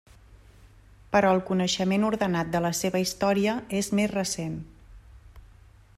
Però el coneixement ordenat de la seva història és més recent.